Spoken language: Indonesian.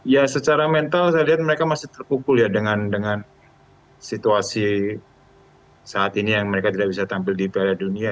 ya secara mental saya lihat mereka masih terpukul ya dengan situasi saat ini yang mereka tidak bisa tampil di piala dunia